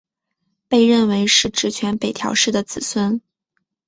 被认为是执权北条氏的子孙。